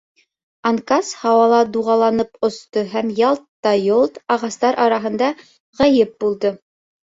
— Анкас һауала дуғаланып осто һәм ялт та йолт ағастар араһында ғәйеп булды.